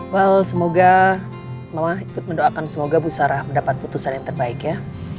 well semoga mama ikut mendoakan semoga bu sarah mendapat putusan yang terbaik ya